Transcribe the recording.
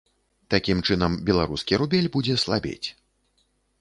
Такім чынам, беларускі рубель будзе слабець.